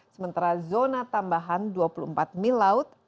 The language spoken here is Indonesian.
sementara zona tambahan dua puluh empat mil laut